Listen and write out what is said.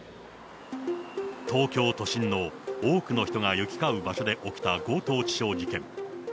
東京都心の多くの人が行き交う場所で起きた強盗致傷事件。